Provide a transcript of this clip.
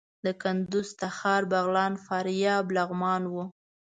د کندوز، تخار، بغلان، فاریاب، لغمان وو.